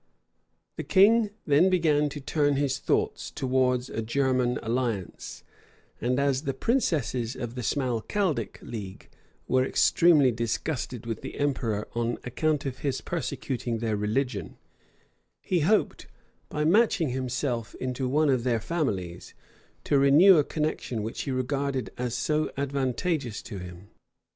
638 The king then began to turn his thoughts towards a German alliance; and as the princes of the Smalcaldic league were extremely disgusted with the emperor on account of his persecuting their religion, he hoped, by matching himself into one of their families, to renew a connection which he regarded as so advantageous to him.